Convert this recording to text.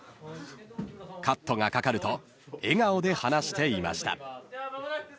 ［カットがかかると笑顔で話していました］